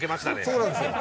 そうなんですよ。